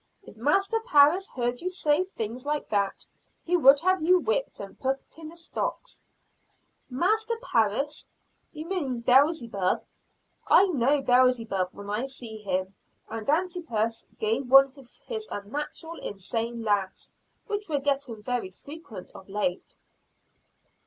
If Master Parris heard that you said things like that, he would have you whipped and put in the stocks." "Master Parris? you mean Beelzebub! I know Beelzebub when I see him." And Antipas gave one of his unnatural, insane laughs, which were getting very frequent of late.